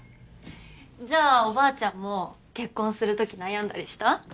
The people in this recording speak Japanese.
じゃあおばあちゃんも結婚するとき悩んだりした？